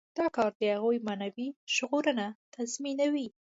دا کار د هغوی معنوي ژغورنه تضمینوي.